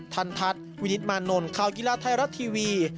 ทันทัศน์วินิตมานนท์ข่าวกีฬาไทยรัฐทีวี